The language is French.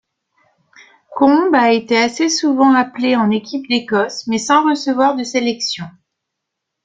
Combe a été assez souvent appelé en équipe d'Écosse mais sans recevoir de sélection.